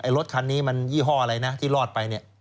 รถคันนี้มันยี่ห้ออะไรนะที่รอดไปเนี่ย